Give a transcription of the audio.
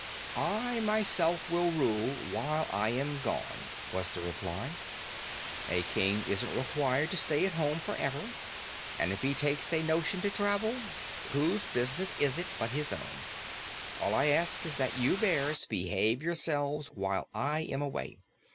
"I myself will rule while I am gone," was the reply. "A King isn't required to stay at home forever, and if he takes a notion to travel, whose business is it but his own? All I ask is that you bears behave yourselves while I am away.